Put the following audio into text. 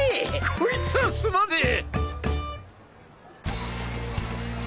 こいつァすまねぇ！